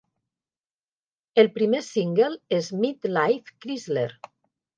El primer single és "Mid-Life Chrysler".